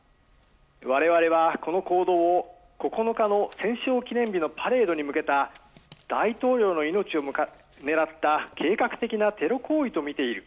我々はこの行動を９日の戦勝記念日のパレードに向けた大統領の命を狙った計画的なテロ行為とみている。